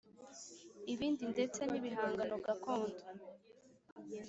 Ibindi ndetse n ibihangano gakondo